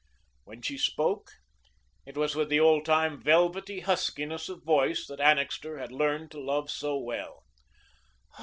When she spoke, it was with the old time velvety huskiness of voice that Annixter had learned to love so well.